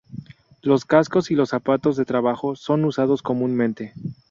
Los cascos y los zapatos de trabajo son usados comúnmente.